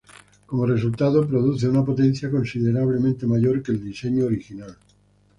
Como resultado, produce una potencia considerablemente mayor que el diseño original.